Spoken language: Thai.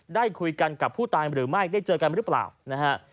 ได้คุยกันกับผู้ตายหรือไม่ได้เจอกันหรือเปล่านะฮะ